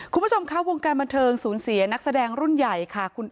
คุณผู้ชมคะวงการบันเทิงศูนย์เสียนักแสดงรุ่นใหญ่ค่ะ